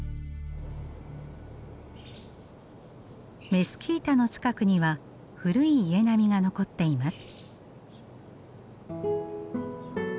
メスキータの近くには古い家並みが残っています。